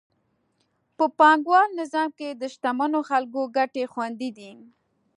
په پانګوال نظام کې د شتمنو خلکو ګټې خوندي دي.